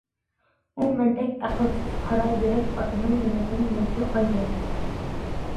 ئۇ مەندەك ئەقىلسىز-قارا يۈرەك ئاتىنىڭ يېنىدىن مەڭگۈ ئايرىلدى.